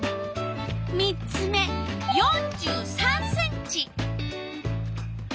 ３つ目４３ｃｍ。